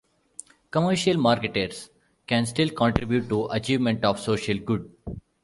Commercial marketers can still contribute to achievement of social good.